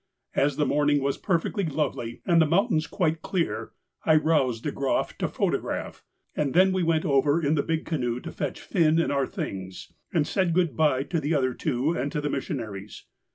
As the morning was perfectly lovely, and the mountains quite clear, I roused De Groff to photograph, and then we went over in the big canoe to fetch Finn and our things, and said good bye to the other two and to the missionaries.